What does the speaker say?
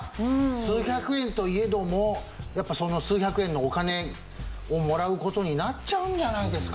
数百円といえどもやっぱその数百円のお金をもらう事になっちゃうんじゃないですか？